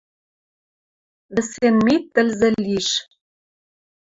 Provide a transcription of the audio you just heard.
Вӹсен ми тӹлзӹ лиш.